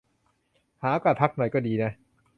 หาโอกาสพักหน่อยก็ดีนะ